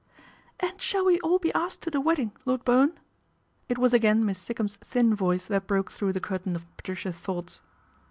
" And shall we all be asked to the wedding, Lord Bowen ?" It was again Miss Sikkum's thin voice that broke through the curtain of Patricia's thoughts.